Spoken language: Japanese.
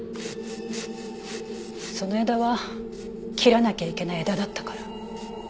その枝は切らなきゃいけない枝だったから。